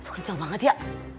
kenceng banget ya